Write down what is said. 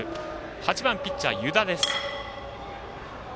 ８番ピッチャー、湯田です。